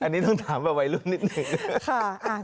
อันนี้ต้องถามแบบวัยรุ่นนิดหนึ่ง